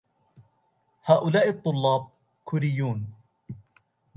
هؤلاء الطلاب كورييون.